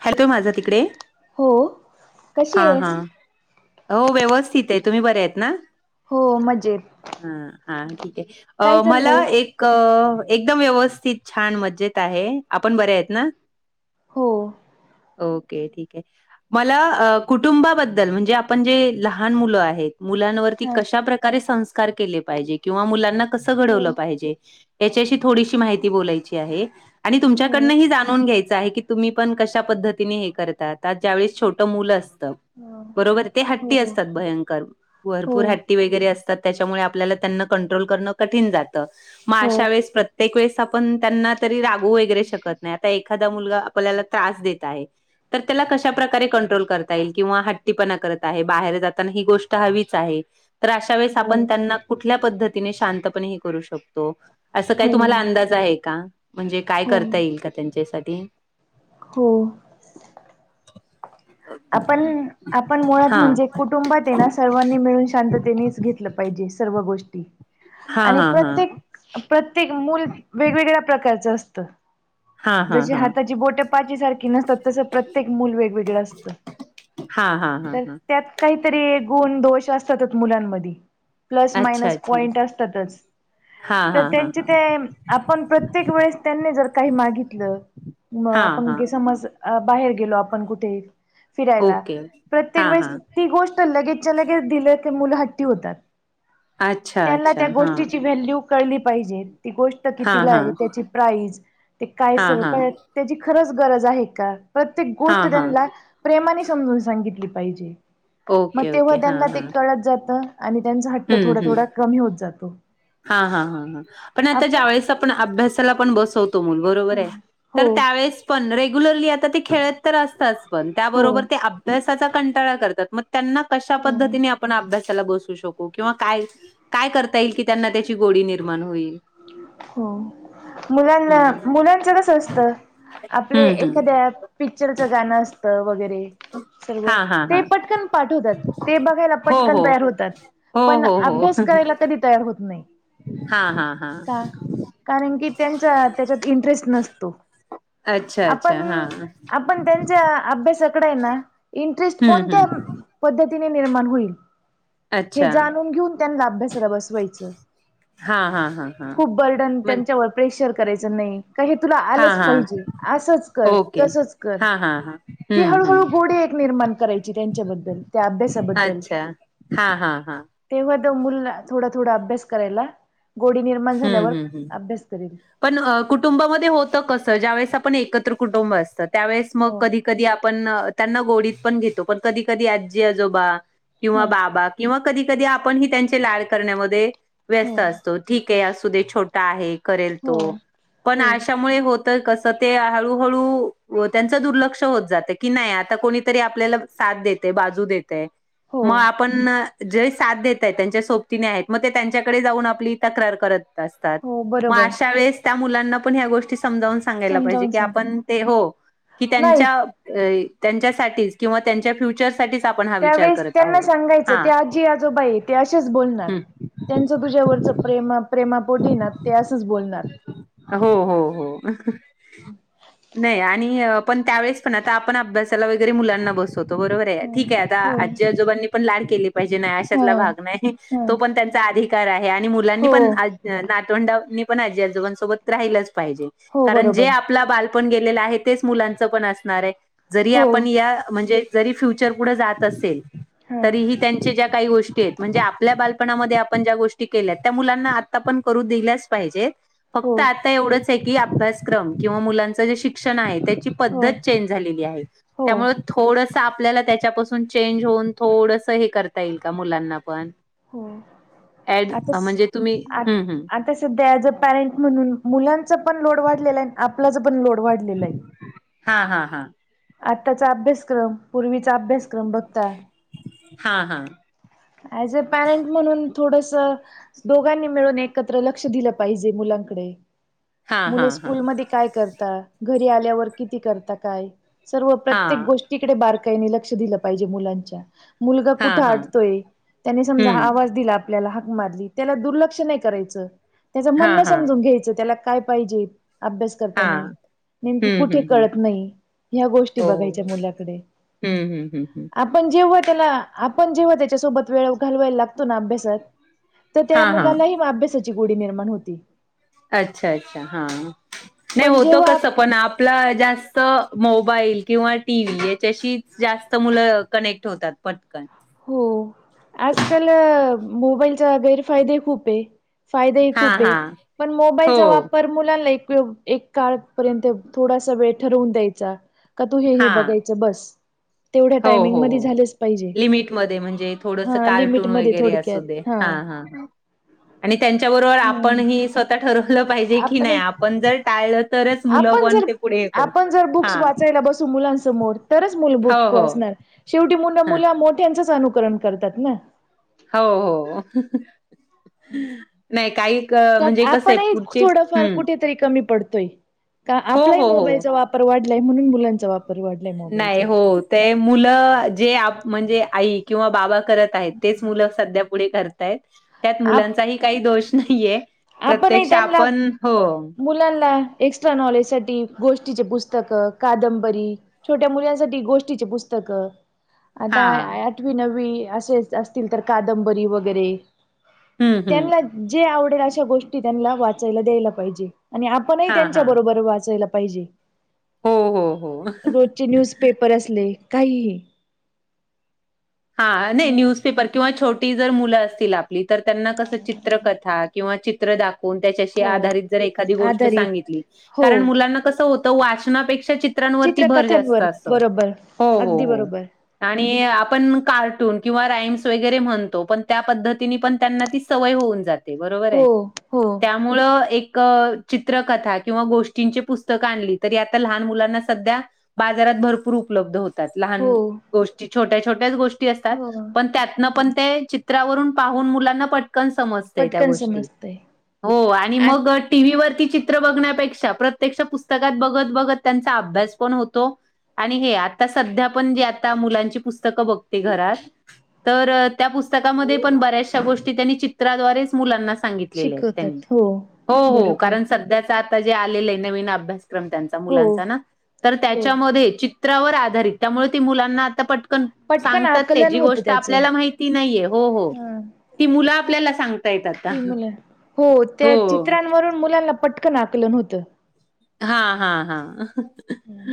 हाय तो माझा तिकडे. हो. कशी हा हां. आहेस हो व्यवस्थिते. तुम्ही बरेयेत ना. हो मजेत. ह, हा ठीके. अ काय मला चाललंय एक क एकदम व्यवस्थित, छान, मज्जेत आहे. आपण बऱ्यायेत ना. हो ओके, ठीके, मला अ कुटुंबाबद्दल, म्हणजे आपण जे लहान मुलं आहेत. मुलांवर हा कशा प्रकारे संस्कार केले पाहिजे. किंवा मुलांना कसं हो घडवलं पाहिजे. याच्याशी, थोडीशी, माहिती बोलायची आहे. आणि हो तुमच्याकडनंही जाणून घ्यायचं आहे. की, तुम्ही पण कशा पद्धतीने हे करता. आ ज्यावेेस छोटं मुलं असत. हा बरोबर. ते हो हट्टी हो असतात. भयंकर हो भरपूर ह्टी. हट्टी वगैरे असतात. याच्यामुळे त्यांना आपल्याला कंट्रोल करणं कठीण जातं. म हो अशा वेळेस प्रत्येक एक वेळेस आपण त्यांना तरी रागू वगैरे शकत नाही. आता एखादा मुलगा आपल्याला त्रास देत आहे. तर त्याला, कशापकारे कंट्रोल करता. येईल. किंवा हट्टीपणा करत आहे. बाहेर जाताना ही गोष्ट हवीच आहे. तर अशा वेळेस आपण त्यांना कुठल्या पद्धतीने शांतपणेही करू शकतो. असं काही तुम्हाला हो अंदाज आहे का? म्हणजे काय हो करता येईल का त्यांच्यासाठी. हो. आपण, आपण, मुळात हा म्हणजे कुटुंबाते ना. सर्वांनी मिळून शांततेनेच घेतलं पाहिजे सर्व गोष्टी. हा आणि हा हा प्रत्येक, प्रत्येक मूल, वेगवेगळ्या प्रकारचं असतं. हा हा जशी हा हाताची बोटे पाची सारखी नसतात. तस प्रत्येक मूल वेगवेग त हा हा हा तर हा त्यात काहीतरी गुण दोष असतातच मुलांमध्ये. प्लस अच्छा मायनस अच्छा पॉईंट असतातच. हा तर हा हा त्यांचे हा ते, आपण प्रत्येक वेळेस त्यांनी जर काही मागितलं. मग हा आपण हा समज, बाहेर गेलो आपण कुठे. फिरायला. ओके प्रत्येक हा वेळेस हा ती गोष्ट लगेचच्या लगेच दिलं की, मुलं हट्टी होतात. अच्छा त्यांना अच्छा त्या हा गोष्टीची व्हॅल्यू. कळली पाहिजे ती गोष्ट हा कितीला हा आहे त्याची प्राइज ते काय हा सय. त्याची खरंच गरज आहे का प्रत्येक हा गोष्ट हा त्यांना. प्रेमाने समजून सांगितली पाहिजे मग ओके तेव्हा ओके हा त्यांना हा ते कळत जातं. आणि त्यांचा हट्ट हम्म थोडा हम्म थोडा कमी होत जातो. हा हा ह ह पण आता ज्या आपण वेळेस आपण अभ्यासाला पण बसवतो. बरोबर आहे हो तर त्यावेळेस पण रेग्युलरली आता ते खेळत तर असतात. हो त्या अभ्यासाचा कंटाळा करतात मग त्यांना कशा हो पद्धती. ण अभ्यासाला बसू शकू किंवा काय काय करता येईल कि त्यांना त्याची गोडी निर्माण होईल. हो. मुलांना हम्म मुलांचं कस असतं आपले हम्म हम्म एखाद्या. पिक्चरचं गाणं असतं वगैरे. सरव हा हा ते हा पटकन पाठवतात ते बघायला हो पटकन हो तयार होतात. हो पण हो हो अभ्यास करायला कधी तयार होत नाही. हा हा. हा का कारण की त्यांचा त्याच्यात इंटरेस्ट नसतो. अच्छा अच्छा आपण हा. आपण त्यांच्या अभ्यासाकडे आहे ना इंटरेस्ट हम्म कोणत्या. हम्म पद्धतीने निर्माण होईल हे अच्छा जाणून घेऊन त्यांना अभ्यासाला बसवायचं. हा हा हा. हा खूप बर्डन म्हण त्यांच्यावर प्रेशर करायचं नाही. काही तुला हा आलंच हा पाहिजे असंच कर ओके तसच कर हा हा हा ते हम्म हळूहळू हम्म गोडे एक निर्माण. करायची त्यांच्याबद्दल त्या अभ्यासाबद्दल. अच्छा हा हा हा. तेव्हा मुल थोडा थोडा अभ्यास करायला गोडी नि. हम्म हम्म हम्. पण कुटुंबामध्ये होत कसं ज्यावेेळेस आपण एकत्र कुटुंब असतं त्यावेळेस मग हो कधी. कधी आपण त्यांना गोडीत पण घेतो पण कधी कधी आजी आजोबा किंवा हा बाबा. किंवा कधी कधी आपण ह त्यांचे लाळ करण्यामध्ये व्यस्त हो असतो. ठीक आहे असू दे छोटा आहे करेल तो हो पण हो अशा. मुळे होत कस ते हळू हळू त्यांच दुर्लक्ष होत जात की नाही आता कोणीतरी आपल्याला. साथ देते बाजू देते. हो मग आपण जे साथ देतय त्यांच्या सोबतीने आहेत मग ते त्यांच्याकडे जाऊन आपली. ातग अ हो बरोबर मुंना प सम. सांगायला पाहिजे समजावून की सांगा. आपण ते हो की नाही त्यांच्या. त्यांच्यासाठीच किंवा त्यांच्या फ्युचर. त्यावेेळेस त्यांना सांगायचं ते आजी आजोबाई ते असशेच बोलणार. त्यांचं तुझ्यावरच प्रेमा प्रेमापोटी ना ते असंच बोलणार. हो हो हो नाही आणि. पण त्यावेळेस पण आता आपण अभ्यासाला वगैरे मुलांना बसवतो बरोबर आहे हम्म. ठीक आहे आता हो आजी आजोबांनी. पण लाड केली पाहिजे नाही हा अशातला भाग नाही हा तो पण त्यांचा अधिकार आहे आणि मुलांनी हो पण. नातवंडानी पण आजी आजोबांसोबत राहिलंच पाहिजे हो कारण जे बरोबर आपला बाल. गेले आहे तेच मुलांच पण असणार आहे जरी हो आपण या म्हणजे. जरी फ्युचर पुढे जात असेल हा तरीही त्यां ज्या. गोष्टी म्हणजे आपल्या बालपणामध्ये आपण ज्या गोष्टी केल्या त्या मुलांना. ण करू दिल्याच पाहिजे हो फक्त. आता एवढच आहे की अभ्यासक्रम किंवा मुलांचं जे शिक्षण आहे त्याची हो पद्धत चेंज झालेली आहे. हो त्यामु थोडस आपल्याला त्याच्यापासून चेंज होऊन थोडसं हे करता येईल का मुलांना पण. हो ड आताच म्हणजे तुम्ही. हम्म हम्म आता. सध्या ज अ पॅरेंट म्हणून मुलांचा पण लोड वाढलेला आहे आपल्याच पण लोड वाढलेला आहे. हा हा हा. आत्ताचा अभ्यासक्रम पूर्वीचा अभ्यासक्रम बघता. हा हा. ऍज अ पॅरेंट म्हणून थोडस. दोघांनी मिळून एकत्र लक्ष दिलं पाहिजे मुलांकडे हा हा मुले हा स्कूलमध्ये काय करता घरी आल्यावर किती करता काय? सर्व हा प्रत्येक गोष्टीकडे बारकाईने लक्ष दिलं पाहिजे मुलांच्या मुलगा हा कुठं हा आटतोय. समजा हा हम्म आवाज दिला आपल्याला हाक मारली त्याला दुर्लक्ष नाही करायचं. त्याच हा म्हणण हा समजून घ्यायचं त्याला काय पाहिजे अभ्यास हा करताना नेमकी हम्म कुठे हम्म हम्म कळत नाही ह्या गोष्टी हो बघायच्या मुलाकडे हम्म हम्म हम्म हम्म आपण जेव्हा त्याला आपण जेव्हा त्याच्यासोबत वेळ घालवायला लागतो ना अभ्यासात. तर त्या हा हा मुलालाही अभ्यासाची गुडी निर्माण होती. अच्छा अच्छा हा नाही पण होतो का जेव्हा सपन आप आपला जास्त मोबाईल किंवा टी व्ही याच्याशी जास्त मुलं कनेक्ट होतात. पटकन हो आजकाल मोबाईलचे गैरफायदे खूप आहे. फायदाेही हा खूप आहे. हा पण. हो मोबाईलचा वापर मुलांना एक काळ पर्यंत थोडासा वेळ ठरवून द्यायचा का तू हे हा बघायच. बस. तेवढ्या टायमिंग मध्ये झालच पाहिजे. मध्ये म्हणजे थोडस हा लिमिट कार्टून मध्ये वगरे असु थोडक्यात दे हा- हा. आणि त्यांच्याबरोबर हम्म. आपणही स्वतः ठरवलं पाहिजे की नाही आपण जर टाळलं तरच मुलं आपण पण जर ते पुढे कर आपण जर बुक्स हा वाचा.. बसु मुलांसमोर तरच मूल हो भुक्को हो असणार शेवटी मु ह मुला मोठ्यांचंच अनुकरण करतात ना. हो -हो. नाही काही क त्यात म्हणजे कसं आहे आपणही पुढचे थोडंफार हम्म कुठेतरी कमी पडतोय. का, हो आपलाही हो हो मोबाईलचा वापर वाढलाय म्हणून मुलांचा वापर वाढला. नाही हो ते मुलं जे म्हणजे आई किंवा बाबा. करत आहेत तेच मुलं सध्या पुढे करतायत त्यात मुलांचाही काही दोष नाहीये. आपण ही प्रत्यक्ष त्यांना आपण हो. मुलांना जास्ती च्या द्याना साठी गोष्टीचे पुस्तकं, कादंबरी छोट्या मुलांसाठी गोष्टीचची पुस्तकं आता हां. आठवी, नववी असेच असतील तर कादंबरी वगैरे हं, हं. त्यांना जे आवडेल अशा गोष्टी त्यांना वाचायला द्यायला पाहिजे. आणि आपणही हां, त्यांच्या हां. बरोबर वाचायला पाहिजे. हो, हो, हो. रोज चे वर्तमान पत्र असले काहीही हा नाही हम्म न्यूजपेपर किंवा छोटी जर मुलं असतील आपली तर त्यांना कसं चित्रकथा किंवा चित्र दाखवून त्याच्या हो आधारित जर एखा गोष्ट आधारित सांगितली हो कारण मुलाना कस होत. वाचनापेक्षा चित्रांवरती भर जास्त चित्रकथांवर असतो बरोबर हो- हो- अगदी हो. बरोबर आणि आपण मग कार्टून किंवा राईम्स वगैरे म्हणतो पण त्या पद्धतीने पण त्यांना ती सवय होऊन जाते. ते बरोर त्या हो हो त्यामुळे एक चित्रकथा किंवा गोष्टींची पुस्तकं आणली तरी आता लहान मुलांना सध्या बाजारात भरपूर उपलब्ध होते. हो लहान गोष्टी छोट्या- छोट्या, गोष्टी असतात हो पण त्यातन पण चित्त्रावरून पाहून मुलांना पटकन समजतय त्या पटकन गोष्टी समजतय हो आणि आ मग टीव्ही वरती चित्र बघण्यापेक्षा प्रत्यक्ष पुस्तकात बघत- बघत त्यांचा अभ्यास पण होतो. आणि हे आता सध्या पण जे आता मुलांची पुस्तकं बघतो. ते घरात तर त्या पुस्तकामध्ये पण बऱ्याचशा गोष्टी त्यांनी चित्राद्वारेच मुलांना सा सांगितलेल्या आहेत त्यांनी शिकवतात हो हो हो बरोबर कारण सध्या आताजे आलेले आहे ना नविनअभ्यासक्रम त्यां हो मुलांचा ना तर हो त्याचामध्ये चि चित्रावर आधारित त्यामुळे ती मुलांना आता पटकन पटकन सांगतात ते आकलन जी होतं गोष्ट त्याचं आपल्याला माहिती नाहीये हो हो हा ती मुलं आपल्याला सांग ती मुलं हो त्या हो. चित्रांवरून मुलांना पटकन आकलंन होतं. हा हा हा. [unintelligible] हम्म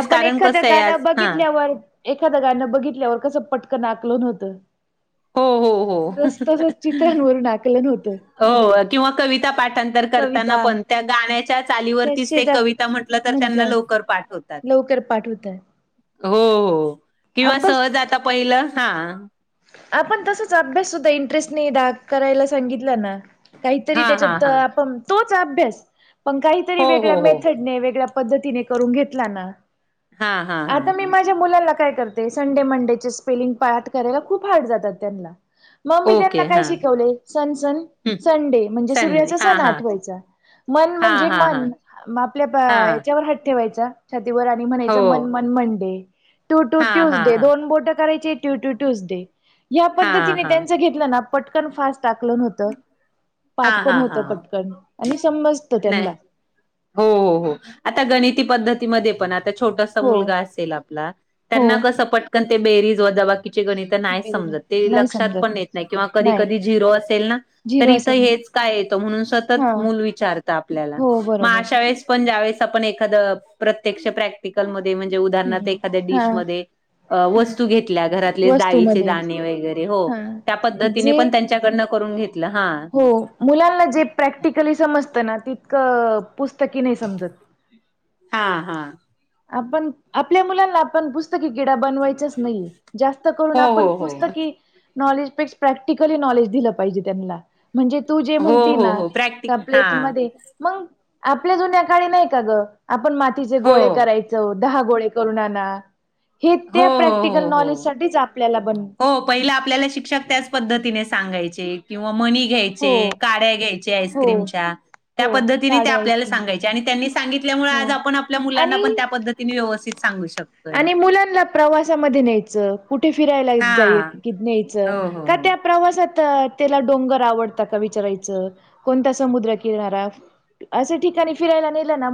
आपण एखादं गाणं हां. बघितल्यावर एखाद गांण बघितल्यावर कसं पटकंन आकलन होत हो, हो, हो. तस तसच चित्रांवरून आकलं होत. हो किंवा कविता पाठांतर कविता करताना पण त्या गाण्या च्या च्या त्या चालीवरतीच ते शेजार कविता म्हंटलं तर त्यांना म्हंटलंय लवकर पाठ होतात. लवकर पाठ होत. हो हो किंवा सहज आता पहिलं हा. आपण तसच अभ्यास सुद्धा इंटरेस्ट नाही करायला सांगितलना काहीतरी हां, हां, त्याच्यात हां. आपण तोच अभ्यास पण काहीतरी हो, वेगळ्या हो, हो. मेथडने वेगळ्या प पद्धतीने करून घेतला ना हां, हां, हां, आता मी हां. माझ्या मुलां कायते संडे मंडे स्पेलिंग पाठ करायला खूप हार्ड जातात त्यानला म मी त्यांना ओके काय हां. शिकवले सन सन हं. सनडे म्हणजे संडे सूर्याचा हां, सण हां. आठवायचा मन हां, म्हणजे हां, हां. मन आपल्या हां. याच्यावर हात ठेवायचा छातीवर आणि हो. म्हणायचं मन मन मंडे टू टू हां, हां, ट्युसडे हां. दोन बोट करायची टू टू ट्युसडे ह्या हां, पद्धतीने हां. त्यांच घेतलं ना पटकन फास्ट आकलन होतं. पाठ हां, पण हां, होत हां. पटकन आणि समजत नाही त्यांनला. हो हो हो आता गणिती पद्धतीमध्ये पण आ छोटासा हो मुला असेल आप हो. त्यांना कस पटक बेरीज वजाबाकीचे गणित नाही समजत ते नाही लक्षात पण समजत येत नाही किंवा कधी नाही. कधी झिरो असेल ना तर झिरो इथं असेल ना हेच काय येत म्हणून सतत हा. मुलं विचारत आपल्याला हो मग बरोबर अशा वेळेस पण ज्यावेळेस आपण एखादया प्रत्यक्ष प्रॅक्टिकल मध्ये म्हणजे हम्म. उदाहरणार्थ एखादया हा डिश मध्ये हा. वस्तू घेतल्या घरातले डाळीचे वस्तूमध्ये दाणे वगैरे हो हा त्या पद्धतीने जे पण त्यां च्याकडनं पण करून घेतलं हा. हो मुलांना जे प्रॅक्टिकली समजतं ना तितकं पुस्तकी नाही समजत. हा हा. आपण आपल्या मुलांना आपण पुस्तकी किडा बनवाय चच नाहीये जास्त करून हो आपण हो हो पुस्तकी नॉलेजपेक्ष प्रॅक्टिकली नॉलेज दिलं पाहिजे त्यांनला. म्हणजे तू जे हो म्हणती हो ना हो प्रॅक्टिक का हा प्लेट मध्ये मग आपल्या जून्याकाळी नाही का ग आपण मातीचे हो गोळे चो दहा गोळे करून आना हे हो त्या हो प्रॅक्टिकल नॉलेज साठी आपल्याला ब पहिले आपल्याला शिक्षक त्याच पद्धतीने सांगायचे किंवा मनी घ्याय चे हो काडया घ्यायच्या हो आईस्क्रीमच्या त्या हो पद्धती काढे आपल्याला आईस्क्रीम सांगायचे आणि त्यांनी सांगीत ल्यामुळे हो आज आपण आपल्या मुलांना पण आणि त्या पद्धतीने व्यवस्थित सांगू शकतोय. आणि मुलांना प्रवासामध्ये न्यायचं कुठे फिरायला हा जाय क न्यायचं हो हो का हो त्या प्रवासात त्याला डोंगर आवडताात का विचारायचं कोणत समुद्र किणारा असे ठिकाणी फिरायला नेलं ना म